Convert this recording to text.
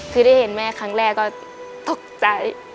คือได้เห็นแม่ครั้งแรกก็ตกใจ